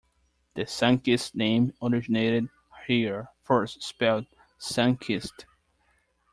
The Sunkist name originated here, first spelled "Sunkissed.